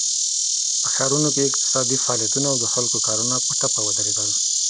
په ښارونو کې اقتصادي فعالیتونه او د خلکو کارونه په ټپه ودرېدل.